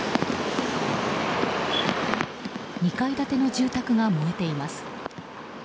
２階建ての住宅が燃えています。